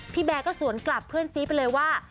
แบร์ก็สวนกลับเพื่อนซีไปเลยว่า